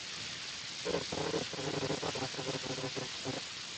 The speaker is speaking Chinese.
第十二届全国人民代表大会辽宁地区代表。